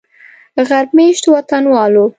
غرب میشتو وطنوالو